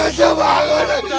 dia tak mau lewati